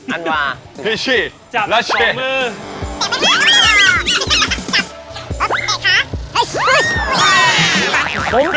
อันดวาพีชี่แล้วเช็คจับสองมือ